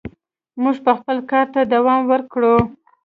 موږ به خپل کار ته دوام ورکوو.